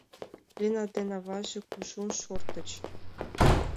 Лена ден аваже кужун шортыч.